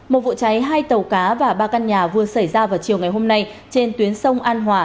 một vụ cháy hai tàu cá và ba căn nhà vừa xảy ra vào chiều ngày hôm nay trên tuyến sông an hòa